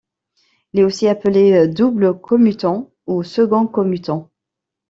Il est aussi appelé double commutant ou second commutant.